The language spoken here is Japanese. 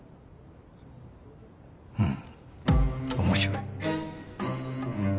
うん面白い。